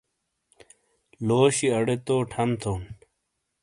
لوشی ارے تو ٹھم تھون